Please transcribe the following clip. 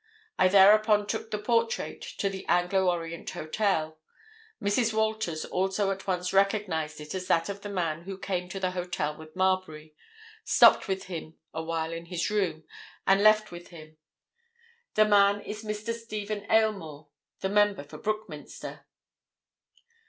I thereupon took the portrait to the Anglo Orient Hotel—Mrs. Walters also at once recognized it as that of the man who came to the hotel with Marbury, stopped with him a while in his room, and left with him. The man is Mr. Stephen Aylmore, the member for Brookminster."